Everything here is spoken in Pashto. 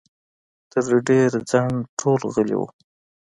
تر ډېره ځنډه ټول غلي وو.